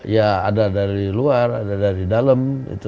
ya ada dari luar ada dari dalam